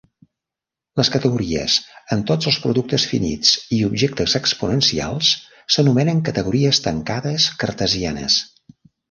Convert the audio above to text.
Les categories amb tots els productes finits i objectes exponencials s'anomenen categories tancades cartesianes.